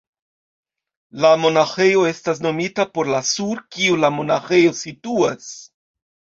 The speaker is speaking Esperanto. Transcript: La monaĥejo estas nomita por la sur kiu la monaĥejo situas.